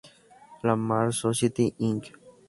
La Mars Society, Inc.